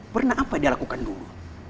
pernah apa dia lakukan dulu